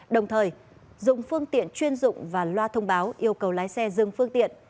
đồng thời dùng phương tiện chuyên dụng và loa thông báo yêu cầu lái xe dừng phương tiện